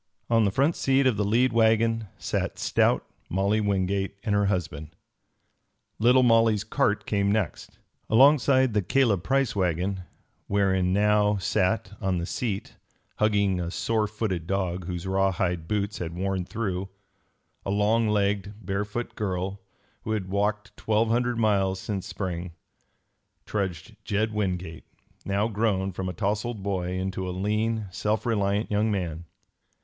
On the front seat of the lead wagon sat stout Molly Wingate and her husband. Little Molly's cart came next. Alongside the Caleb Price wagon, wherein now sat on the seat hugging a sore footed dog whose rawhide boots had worn through a long legged, barefoot girl who had walked twelve hundred miles since spring, trudged Jed Wingate, now grown from a tousled boy into a lean, self reliant young man.